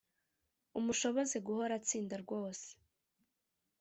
umushoboze guhora atsinda rwose